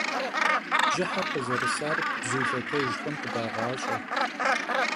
Bjıher khızerısar bzu lhetejjxem khıdağaş'e.